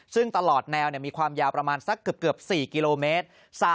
ซึ่งตลอดแนวมีความยาวประมาณสักเกือบ๔กิโลเมตร